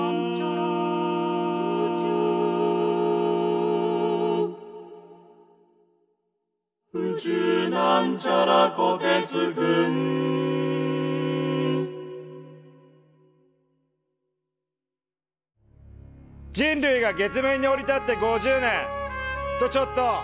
「宇宙」人類が月面に降り立って５０年とちょっと。